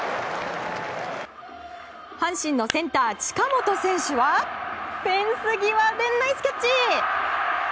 阪神のセンター、近本選手はフェンス際でナイスキャッチ！